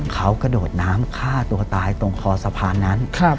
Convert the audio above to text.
เขากระโดดน้ำฆ่าตัวตายตรงคอสะพานนั้น